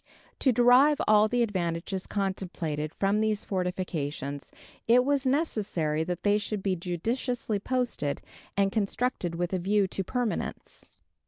To derive all the advantages contemplated from these fortifications it was necessary that they should be judiciously posted, and constructed with a view to permanence.